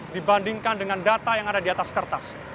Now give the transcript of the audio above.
dibandingkan dengan data yang ada di atas kertas